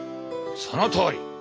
そのとおり。